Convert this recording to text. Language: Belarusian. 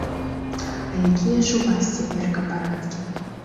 А якія ж у вас цяперака парадкі?